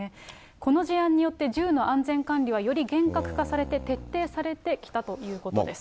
この事案によって、銃の安全管理はより厳格化されて、徹底されてきたということです。